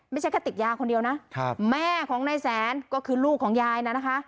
ไม่ใช่แค่ติดยาคนเดียวนะแม่ของนายแสนก็คือลูกของยายน่ะนะคะ